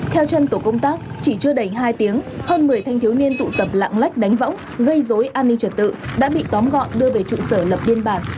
theo chân tổ công tác chỉ chưa đầy hai tiếng hơn một mươi thanh thiếu niên tụ tập lạng lách đánh võng gây dối an ninh trật tự đã bị tóm gọn đưa về trụ sở lập biên bản